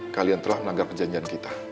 kalian telah melanggar perjanjian kita